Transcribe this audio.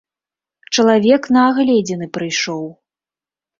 Чалавек на агледзіны прыйшоў.